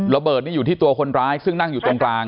ระเบิดนี่อยู่ที่ตัวคนร้ายซึ่งนั่งอยู่ตรงกลาง